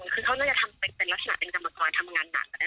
เขาจะทำเป็นลักษณะเป็นกรรมกรรมงานหนักนะคะ